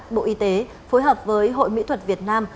bộ y tế phối hợp với hội mỹ thuật việt nam